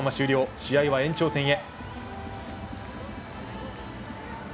試合は延長戦へ。